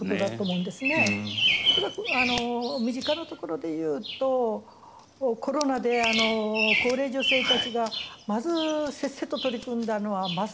例えば身近なところで言うとコロナで高齢女性たちがまずせっせと取り組んだのはマスクを作る。